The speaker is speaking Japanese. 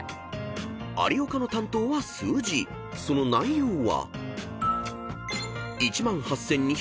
［有岡の担当は「数字」その内容は］